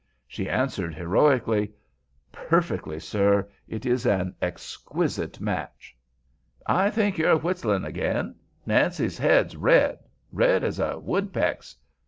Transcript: She answered, heroically: "Perfectly, sir. It is an exquisite match." "I think you're whistlin' again. Nancy's head's red, red as a woodpeck's.